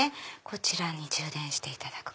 こちらに充電していただく。